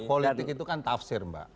politik itu kan tafsir mbak